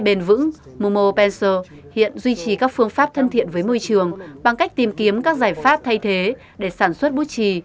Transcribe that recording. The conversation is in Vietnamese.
bền vững momo pencil hiện duy trì các phương pháp thân thiện với môi trường bằng cách tìm kiếm các giải pháp thay thế để sản xuất bút trì